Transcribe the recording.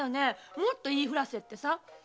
もっと言いふらせってさ。